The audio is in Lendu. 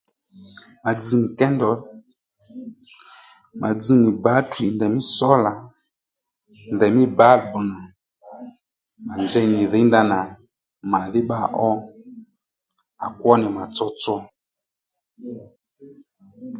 Mà dzz nì kéndol mà dzz nì battery ndèymí sólà ndèymí balbù nà mànjeynì dhǐy ndanà màdhí bba ó à kó nì mà tsotso